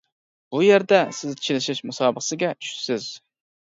ئۇ يەردە سىز چېلىشىش مۇسابىقىسىگە چۈشىسىز.